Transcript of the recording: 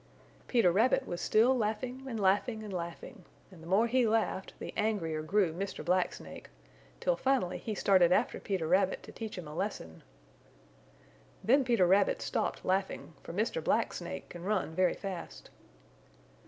Peter Rabbit was still laughing and laughing and laughing. And the more he laughed the angrier grew Mr. Black Snake, till finally he started after Peter Rabbit to teach him a lesson. Then Peter Rabbit stopped laughing, for Mr. Black Snake can run very fast.